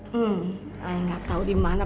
hmm ayah gak tahu di mana